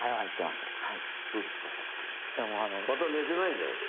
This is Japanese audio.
また寝てないんじゃないですか？